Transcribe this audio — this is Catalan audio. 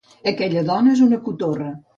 Aquella dona és una cotorra.